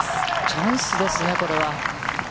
チャンスですね、これは。